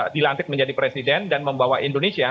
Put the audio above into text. dilantik menjadi presiden dan membawa indonesia